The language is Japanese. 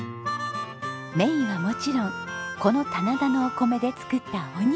メインはもちろんこの棚田のお米で作ったおにぎりです。